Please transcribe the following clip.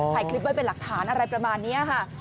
ถ่ายคลิปไว้เป็นหลักฐานอะไรประมาณนี้ค่ะ